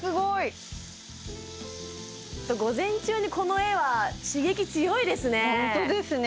午前中にこの画は刺激強いですね